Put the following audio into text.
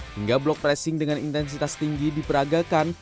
hingga blok pressing dengan intensitas tinggi diperagakan